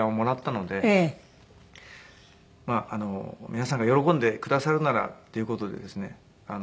皆さんが喜んでくださるならっていう事でですね